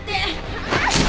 離して！